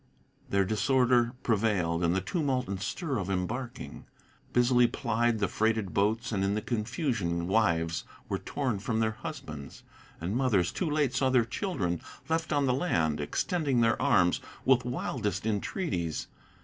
There disorder prevailed, and the tumult and stir of embarking. Busily plied the freighted boats; and in the confusion Wives were torn from their husbands, and mothers, too late, saw their children Left on the land, extending their arms, with wildest entreaties.